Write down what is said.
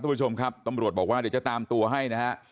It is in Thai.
ผู้ชมครับตำรวจบอกว่าเดี๋ยวจะตามตัวให้นะฮะ